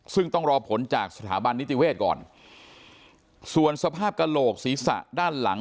ซึ่งต้องรอผลจากสถาบันนิติเวศก่อนส่วนสภาพกระโหลกศีรษะด้านหลัง